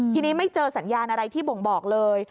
ทีนี้ไม่เจอสัญญาณอะไรที่บ่งบอกเลย